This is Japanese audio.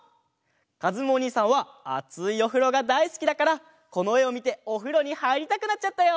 かずむおにいさんはあついおふろがだいすきだからこのえをみておふろにはいりたくなっちゃったよ！